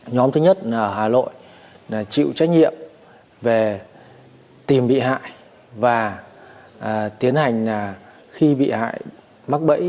nhóm thứ nhất ở hà nội chịu trách nhiệm về tìm bị hại và tiến hành khi bị hại mắc bẫy